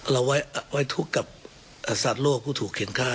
เราไว้ทุกข์กับสัตว์โลกผู้ถูกเขียนค่า